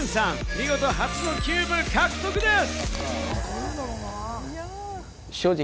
見事、初のキューブ獲得です。